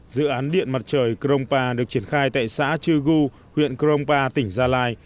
dự án điện mặt trời crompa được triển khai tại xã chư gu huyện crompa tỉnh gia lai